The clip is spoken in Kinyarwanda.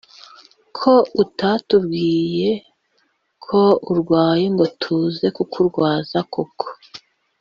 ko utatubwiye ko urwaye ngo tuze kukurwaza koko!?